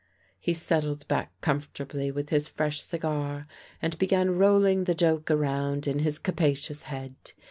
He settled back comfortably with his fresh cigar and began rolling the joke around in his capacious head.